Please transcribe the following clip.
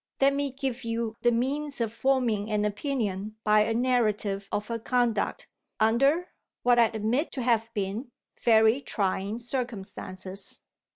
Let me give you the means of forming an opinion by a narrative of her conduct, under (what I admit to have been) very trying circumstances.